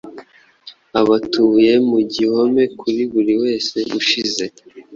Abatuye mu gihomekuri buri wese ushize